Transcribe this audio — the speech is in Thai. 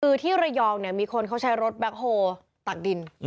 คือที่ระยองเนี่ยมีคนเขาใช้รถแบ็คโฮลตักดิน